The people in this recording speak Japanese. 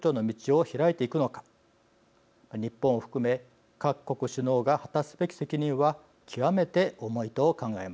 日本を含め各国首脳が果たすべき責任は極めて重いと考えます。